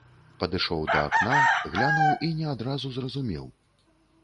Падышоў да акна, глянуў і не адразу зразумеў.